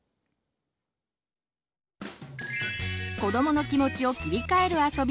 子どもの気持ちを切り替えるあそび